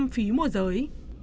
phí mua giới